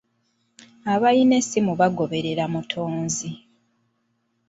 Abalina essimu bagoberera Mutonzi.